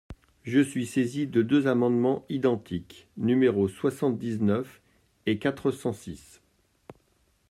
Je suis saisi de deux amendements identiques, numéros soixante-dix-neuf et quatre cent six.